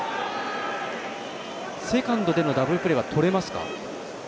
セカンドでのダブルプレーはとれますか？